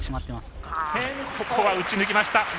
ここは打ち抜きました。